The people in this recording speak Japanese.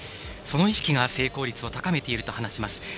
その意識が成功率を高めていると話しています。